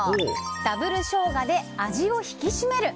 Ｗショウガで味を引きしめる。